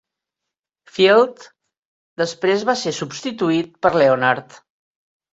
Field, després va ser substituït per Leonard.